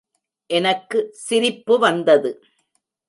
எனக்கு சிரிப்பு வந்தது.